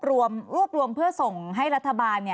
รวมรวบรวมเพื่อส่งให้รัฐบาล